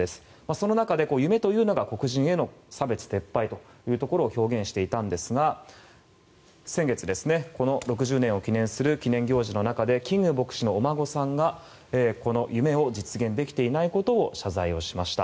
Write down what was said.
その中で夢というのが黒人への差別撤廃を表現していたんですが先月、この６０年を記念する記念行事の中でキング牧師のお孫さんがこの夢を実現できないていないことを謝罪しました。